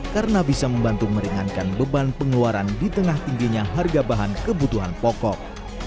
karena bisa membantu meringankan beban pengeluaran di tengah tingginya harga bahan kebutuhan pokok